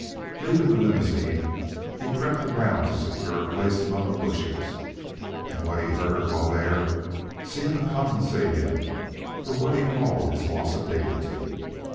Leaving the limousine, he crept around to secure a place among the bushes, and what he heard while there seemed to compensate him for what he called his loss of dignity.